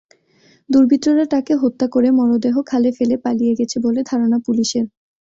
দুর্বৃত্তরা তাঁকে হত্যা করে মরদেহ খালে ফেলে পালিয়ে গেছে বলে ধারণা পুলিশের।